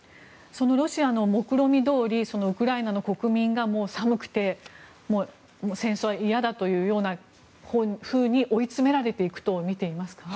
そのロシアのもくろみどおりウクライナの国民が寒くて戦争は嫌だというように追い詰められていくとみていますか？